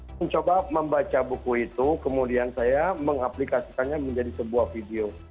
saya mencoba membaca buku itu kemudian saya mengaplikasikannya menjadi sebuah video